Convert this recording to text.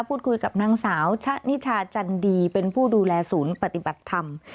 พูดคุยกับนางสาวชะนิชาจันดีเป็นผู้ดูแลศูนย์ปฏิบัติธรรม